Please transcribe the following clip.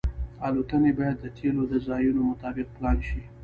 الوتنې باید د تیلو د ځایونو مطابق پلان شي